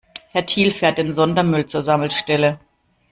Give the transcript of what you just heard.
Herr Thiel fährt den Sondermüll zur Sammelstelle.